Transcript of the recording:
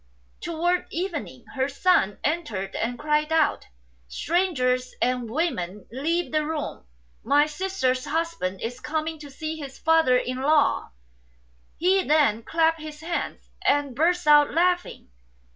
5 Towards evening her son entered and cried out, " Strangers and women, leave the room ! My sister's husband is coming to see his father in law." He then clapped his hands, and burst out laughing.